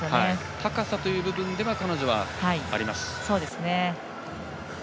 高さという部分では彼女はあります。